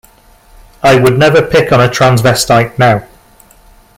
I would never pick on a transvestite now.